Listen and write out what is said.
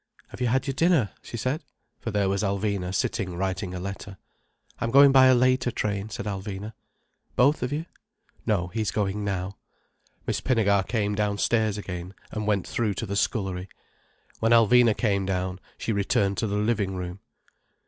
"Have you had your dinner?" she said. For there was Alvina sitting writing a letter. "I'm going by a later train," said Alvina. "Both of you?" "No. He's going now." Miss Pinnegar came downstairs again, and went through to the scullery. When Alvina came down, she returned to the living room.